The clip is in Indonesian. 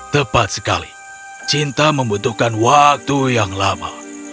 tepat sekali cinta membutuhkan waktu yang lama